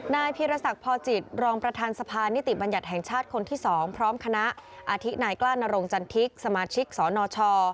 นายพีรศักดิ์พอจิตรองประธานสะพานนิติบัญญัติแห่งชาติคนที่๒พร้อมคณะอาทิตนายกล้านรงจันทิกสมาชิกสนช